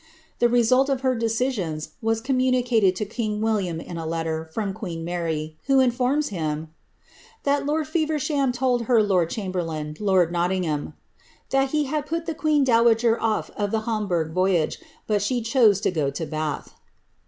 The result of her decisions was communicated to king William in a letter from queen Mary, who inAmns him ^ that lord Feversham told her lord chamberlain, lord Nottingham, ^ that he had put the queen <lo wager off of the Hamburgh voyage, but she chose to go to Bath.